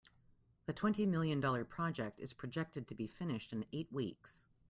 The twenty million dollar project is projected to be finished in eight weeks.